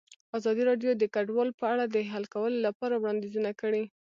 ازادي راډیو د کډوال په اړه د حل کولو لپاره وړاندیزونه کړي.